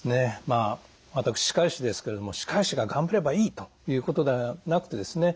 まあ私歯科医師ですけれども歯科医師が頑張ればいいということではなくてですね